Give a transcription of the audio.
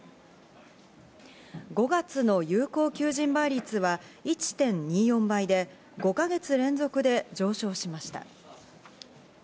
５月の有効求人倍率は１．２４倍で、５か月連続で上昇しました。